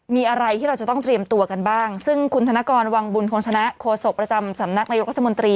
มีอะไรที่เราจะต้องเตรียมตัวกันบ้างซึ่งคุณธนกรวังบุญคงชนะโฆษกประจำสำนักนายกรัฐมนตรี